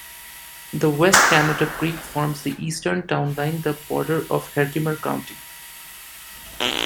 The West Canada Creek forms the eastern town line, the border of Herkimer County.